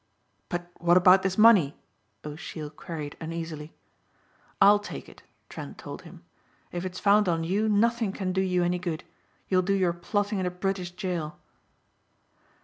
"But what about this money?" O'Sheill queried uneasily. "I'll take it," Trent told him. "If it's found on you nothing can do you any good. You'll do your plotting in a British jail."